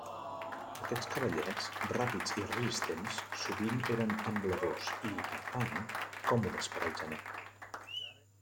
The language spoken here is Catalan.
Aquests cavallets, ràpids i resistents, sovint eren ambladors i, per tant, còmodes per al genet.